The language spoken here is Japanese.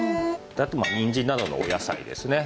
あとまあにんじんなどのお野菜ですね。